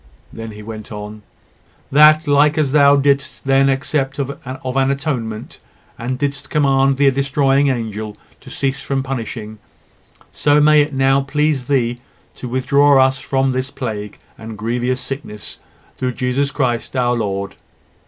He then went on "That, like as Thou didst then accept of an atonement, and didst command the destroying angel to cease from punishing, so it may now please thee to withdraw from us this plague and grievous sickness; through Jesus Christ, our Lord."